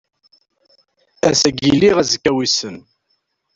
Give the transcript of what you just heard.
Ass-agi lliɣ, azekka wissen.